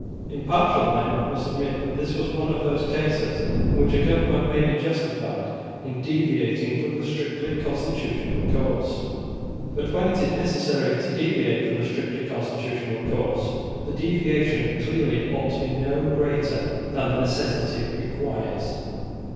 Impartial men must admit that this was one of those cases in which a government may be justified in deviating from the strictly constitutional course. But when it is necessary to deviate from the strictly constitutional course, the deviation clearly ought to be no greater than the necessity requires.